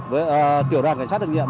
với tiểu đoàn cảnh sát đặc nhiệm